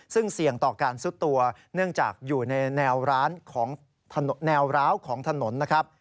ซึ่งเสี่ยงต่อการซุดตัวเนื่องจากอยู่ในแนวร้าวของถนน